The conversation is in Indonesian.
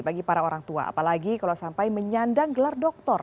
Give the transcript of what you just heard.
bagi para orang tua apalagi kalau sampai menyandang gelar doktor